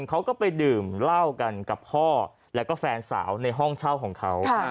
เขาก็ไปดื่มเหล้ากันกับพ่อแล้วก็แฟนสาวในห้องเช่าของเขา